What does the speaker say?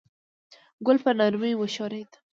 ګل په نرمۍ وښورېد.